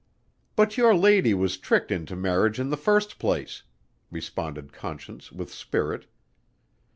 "But your lady was tricked into marriage in the first place," responded Conscience with spirit.